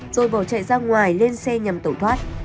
rồi bỏ chạy ra ngoài lên xe nhằm tẩu thoát